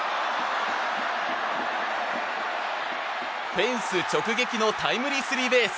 フェンス直撃のタイムリースリーベース。